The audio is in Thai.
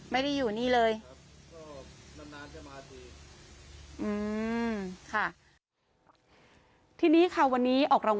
อ๋อเขาไม่อยู่เลยครับเขาไม่ได้อยู่นี่่แหละครับ